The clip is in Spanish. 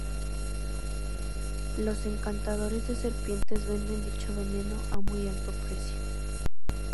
Los encantadores de serpientes venden dicho veneno a muy alto precio.